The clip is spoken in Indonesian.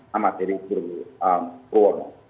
sama dari perwarna